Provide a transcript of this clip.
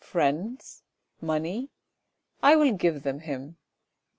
Friends, money? I will give them him."